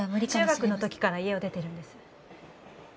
中学の時から家を出てるんです。